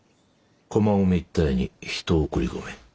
駒込一帯に人を送り込め。